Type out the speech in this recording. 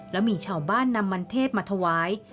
และมีชาวบ้านนำมันเทศมาถวาย